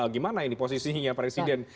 gimana ini posisinya presiden